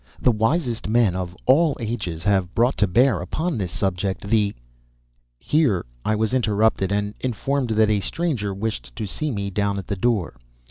The wisest men of all ages have brought to bear upon this subject the [Here I was interrupted and informed that a stranger wished to see me down at the door.